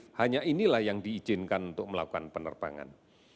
dan hanya inilah yang diizinkan untuk melakukan penerbangan